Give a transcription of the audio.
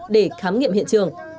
để khám nghiệm hiện trường